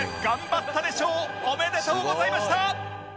ばったで賞おめでとうございました！